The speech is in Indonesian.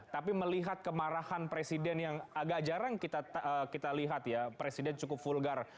tapi melihat kemarahan presiden yang agak jarang kita lihat ya presiden cukup vulgar